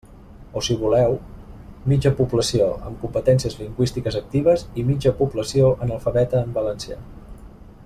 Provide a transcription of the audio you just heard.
O si voleu: mitja població amb competències lingüístiques actives i mitja població analfabeta en valencià.